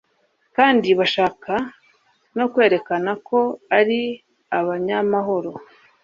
kandi bashaka no kwerekana ko ari abanyamahoro